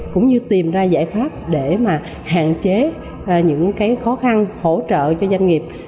cũng như tìm ra giải pháp để mà hạn chế những cái khó khăn hỗ trợ cho doanh nghiệp